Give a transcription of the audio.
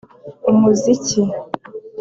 umuziki